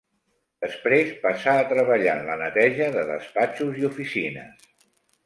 Després passà a treballar en la neteja de despatxos i oficines.